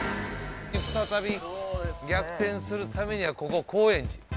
再び逆転するためにはここ高円寺。